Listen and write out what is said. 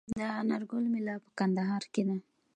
د انار ګل میله په کندهار کې ده.